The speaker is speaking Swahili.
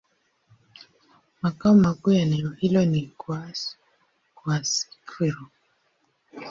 Makao makuu ya eneo hilo ni Kouassi-Kouassikro.